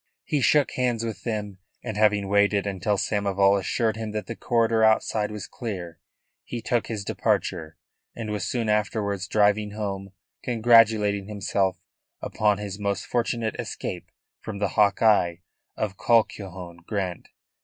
He shook hands with them, and having waited until Samoval assured him that the corridor outside was clear, he took his departure, and was soon afterwards driving home, congratulating himself upon his most fortunate escape from the hawk eye of Colquhoun Grant.